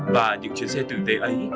và những chuyến xe tử tế ấy